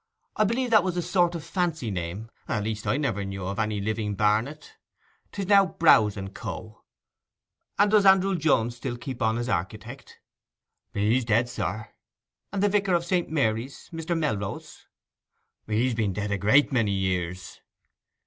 I believe that was a sort of fancy name—at least, I never knew of any living Barnet. 'Tis now Browse and Co.' 'And does Andrew Jones still keep on as architect?' 'He's dead, sir.' 'And the Vicar of St. Mary's—Mr. Melrose?' 'He's been dead a great many years.